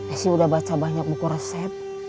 saya udah baca banyak buku resep